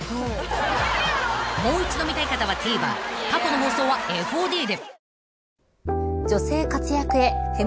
［もう一度見たい方はＴＶｅｒ過去の放送はＦＯＤで］